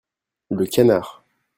Le canard.